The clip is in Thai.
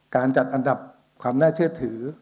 การจัดอันดับความน่าเชื่อถือ